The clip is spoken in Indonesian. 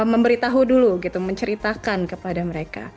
memberitahu dulu gitu menceritakan kepada mereka